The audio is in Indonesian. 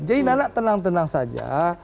jadi nana tenang tenang saja